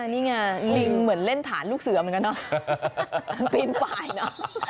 นี่ไงลิงเหมือนเล่นฐานลูกเสือเหมือนกันเนอะมันปีนปลายเนอะ